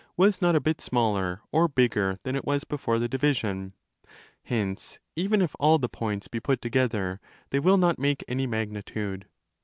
was not a bit smaller or bigger than it was before the division): hence, even if all the points? be put together, they will not make any magnitude.